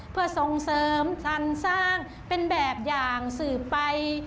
เพื่อส่งเสริมจันทร์สร้างเป็นแบบอย่างสืบไป